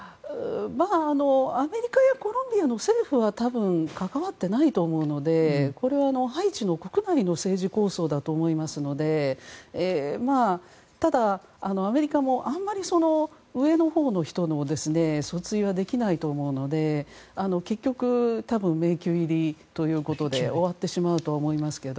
アメリカやコロンビアの政府は多分、関わっていないと思うのでこれはハイチ国内の政治抗争だと思いますのでただ、アメリカもあまり上のほうの人の訴追はできないと思うので結局、迷宮入りということで終わってしまうと思いますけど。